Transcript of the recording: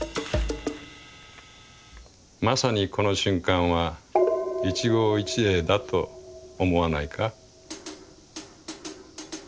「まさにこの瞬間は『一期一会』だと思わないか？」。